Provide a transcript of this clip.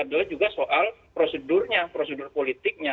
adalah juga soal prosedurnya prosedur politiknya